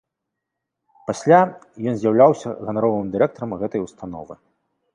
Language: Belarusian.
Пасля ён з'яўляўся ганаровым дырэктарам гэтай установы.